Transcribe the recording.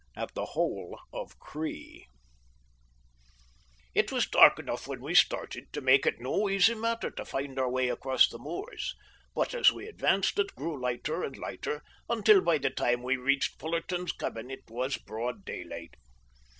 AT THE HOLE OF CREE It was dark enough when we started to make it no easy matter to find our way across the moors, but as we advanced it grew lighter and lighter, until by the time we reached Fullarton's cabin it was broad daylight.